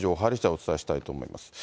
お伝えしたいと思います。